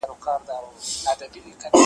وخت به ازمېیلی یم ما بخت دی آزمېیلی ,